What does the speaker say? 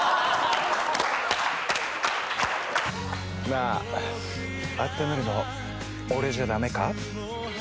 あっためるの俺じゃダメか？